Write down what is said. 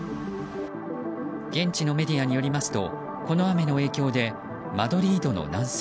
現地のメディアによりますとこの雨の影響でマドリードの南西